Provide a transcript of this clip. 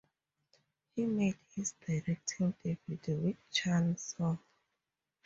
He made his directing debut with Chann Song.